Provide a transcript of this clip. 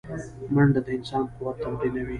منډه د انسان قوت تمرینوي